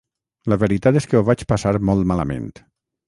La veritat és que ho vaig passar molt malament.